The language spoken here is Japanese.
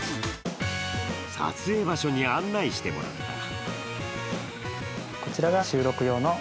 撮影場所に案内してもらった。